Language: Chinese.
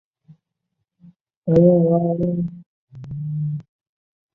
清扬是联合利华集团生产的去头皮屑洗发水品牌。